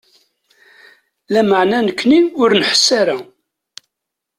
Lameɛna nekni ur s-nḥess ara.